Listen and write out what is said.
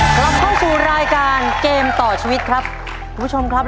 กลับเข้าสู่รายการเกมต่อชีวิตครับคุณผู้ชมครับ